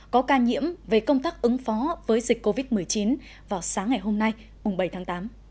có ca nhiễm về công tác ứng phó với dịch covid một mươi chín vào sáng ngày hôm nay bảy tháng tám